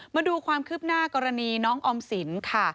มาดูความคืบหน้ากรณีน้องออมสินค่ะ